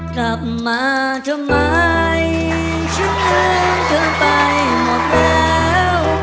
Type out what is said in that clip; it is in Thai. กลับมาทำไมฉันลืมเธอไปหมดแล้ว